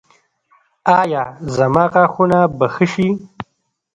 ایا زما غاښونه به ښه شي؟